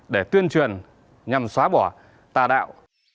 để tuyên truyền nhằm xóa bỏ tà đạo